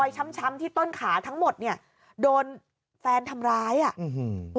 ช้ำช้ำที่ต้นขาทั้งหมดเนี้ยโดนแฟนทำร้ายอ่ะอื้อหือ